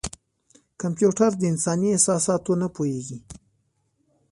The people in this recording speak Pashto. کمپیوټر د انساني احساساتو نه پوهېږي.